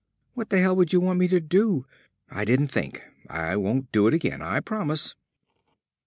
What the hell would you want me to do? I didn't think! I won't do it again. I promise!"